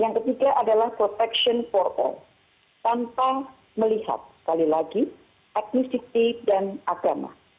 yang ketiga adalah perlindungan kepada semua orang tanpa melihat etnisiti dan agama